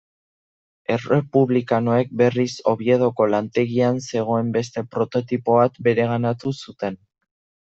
Errepublikanoek, berriz, Oviedoko lantegian zegoen beste prototipo bat bereganatu zuten.